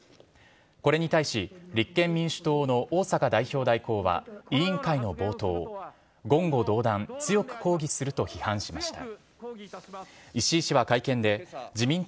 これに対し、立憲民主党の逢坂代表代行は、委員会の冒頭、言語道断、強く抗議すると批判しました。